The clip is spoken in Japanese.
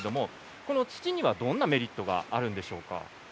この土にはどんなメリットがあるんですか。